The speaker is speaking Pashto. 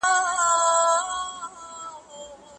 بورګان د کيمبريج پوهنتون په غونډه کي وينا وکړه.